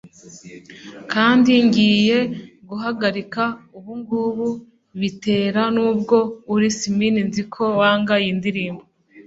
Kandi ngiye guhagarika ubungubu bitera nubwo uri smilin 'Nzi ko wanga iyi ndirimbo